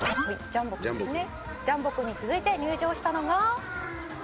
「ジャンボくんに続いて入場したのが」